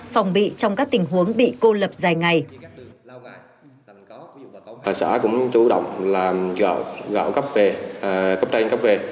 phòng bị trong các tình huống bị cô lập dài ngày